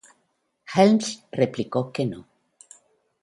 Helms replicó que no.